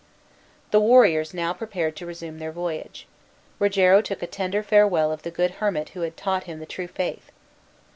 The warriors now prepared to resume their voyage. Rogero took a tender farewell of the good hermit who had taught him the true faith.